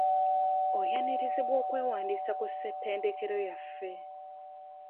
Oyanirizibwa okwewandiisa ku ssettendekero yaffe.